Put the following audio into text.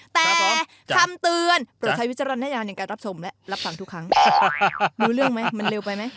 แต่คำเตือนโปรดใช้วิจารณญาณในการรับชมและรับฟังทุกครั้งรู้เรื่องไหมมันเร็วไปไหม